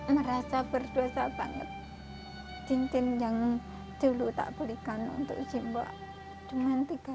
merasa berdosa banget cincin yang dulu tak belikan untuk simbok cuman tiga gram udah tak jual